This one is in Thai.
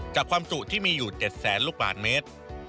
จากความสุขที่มีอยู่๗๐๐๐๐๐ลูกบาทเมตร